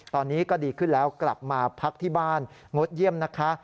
ตอนนี้ก็ดีขึ้นแล้วกลับมาพักที่บ้านงดเยี่ยมนะคะ